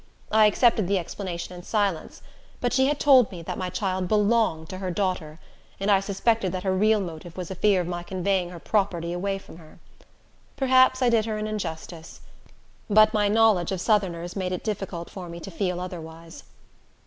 I accepted the explanation in silence; but she had told me that my child belonged to her daughter, and I suspected that her real motive was a fear of my conveying her property away from her. Perhaps I did her injustice; but my knowledge of Southerners made it difficult for me to feel otherwise.